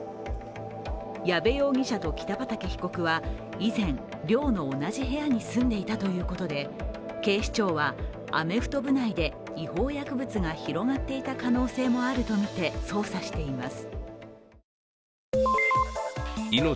矢部容疑者と北畠被告は以前、寮の同じ部屋に住んでいたということで警視庁はアメフト部内で違法薬物が広がっていた可能性もあるとみて捜査しています。